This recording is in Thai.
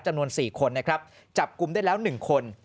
จำนวน๔คนนะครับจับกลุ่มได้แล้ว๑คน